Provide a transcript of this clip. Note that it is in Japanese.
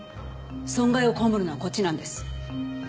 損害を被るのはこっちなんです。